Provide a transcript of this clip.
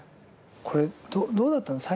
これどうだったんです？